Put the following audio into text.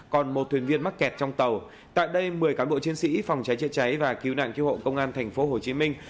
còn một thuyền viên mắc kẹt trong tàu tại đây một mươi cán bộ chiến sĩ phòng cháy chữa cháy và cứu nạn cứu hộ công an thành phố hồ chí minh